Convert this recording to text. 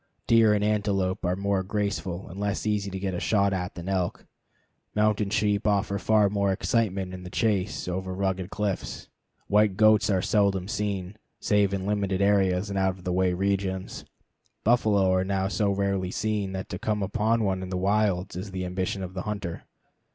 Deer and antelope are more graceful and less easy to get a shot at than elk. Mountain sheep offer far more excitement in the chase over rugged cliffs. White goats are seldom seen, save in limited areas and out of the way regions. Buffalo are now so rarely seen that to come upon one in the wilds is the ambition of the hunter.